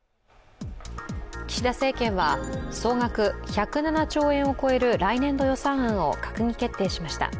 岸田政権は総額１０７兆円を超える来年度予算案を閣議決定しました。